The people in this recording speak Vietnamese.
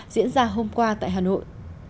diễn ra hôm qua tại hà nội